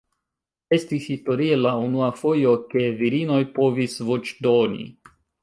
Estis historie la unua fojo ke virinoj povis voĉdoni.